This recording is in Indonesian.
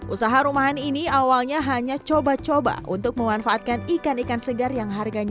usaha rumahan ini awalnya hanya coba coba untuk memanfaatkan ikan ikan segar yang harganya